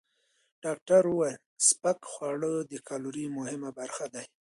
ډاکټره وویل، سپک خواړه د کالورۍ مهمه برخه دي.